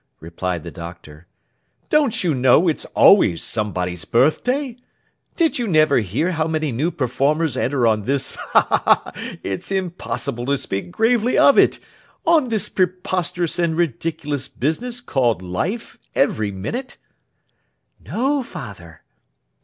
replied the Doctor. 'Don't you know it's always somebody's birth day? Did you never hear how many new performers enter on this—ha! ha! ha!—it's impossible to speak gravely of it—on this preposterous and ridiculous business called Life, every minute?' 'No, father!